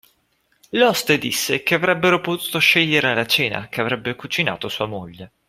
L’oste disse che avrebbero potuto scegliere la cena che avrebbe cucinato sua moglie.